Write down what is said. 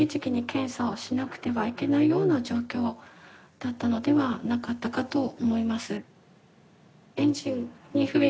だったのではなかったかと思います。